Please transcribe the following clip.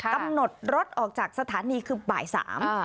กำหนดรถออกจากสถานีคือบ่ายสาม